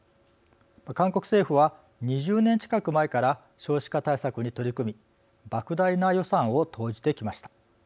韓国政府は２０年近く前から少子化対策に取り組みばく大な予算を投じてきました。